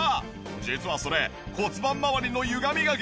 実はそれ骨盤まわりのゆがみが原因かも。